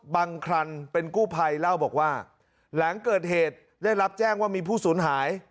คลันเป็นกู้ภัยเล่าบอกว่าหลังเกิดเหตุได้รับแจ้งว่ามีผู้สูญหาย